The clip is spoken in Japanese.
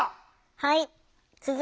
はい。